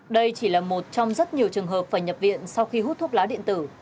đây chỉ là một trong rất nhiều trường hợp phải nhập viện sau khi hút thuốc lá điện tử